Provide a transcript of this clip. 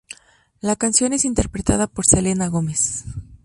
La canción es interpretada por Selena Gomez.